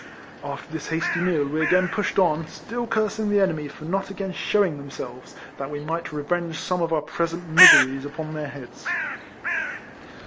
After this hasty meal, we again pushed on, still cursing the enemy for not again shewing themselves, that we might revenge some of our present miseries upon their heads.